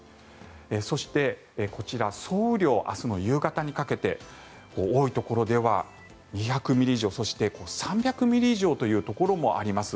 そして、こちら、総雨量明日の夕方にかけて多いところでは２００ミリ以上そして、３００ミリ以上というところもあります。